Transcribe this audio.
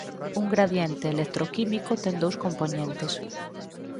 Un gradiente electroquímico ten dous compoñentes.